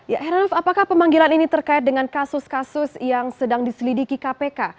ya heranov apakah pemanggilan ini terkait dengan kasus kasus yang sedang diselidiki kpk